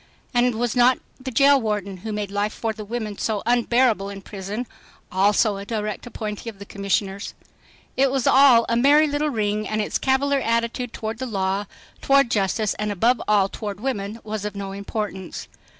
And was not the jail warden who made life for the women so unbearable in prison also a direct appointee of the commissioners? It was all a merry little ring and its cavalier attitude toward the law, toward justice, and above all toward women was of no importance.